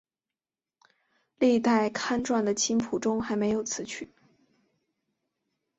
历代刊传的琴谱中还没有此曲。